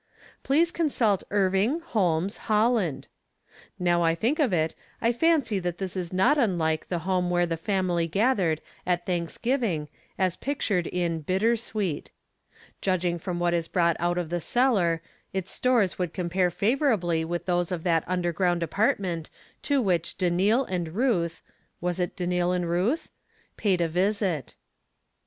Please consult Irving, Holmes, Holland. Now I think of it, I fancy that this is not unhke the home where the family gathered at Thanks 7 8 From Different Standpoints. giving, as pictured in " Bittersweet." Judging from what is brought out of the cellar, its stores would compare favorably with those of that under ground apartment to which Danil and Ruth (was it Danil and Ruth ?) paid a visit.